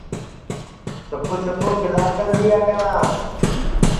چکُو چکُو کِدؔا اکل دؔئیا کرا